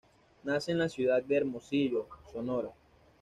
Nace en la ciudad de Hermosillo, Sonora.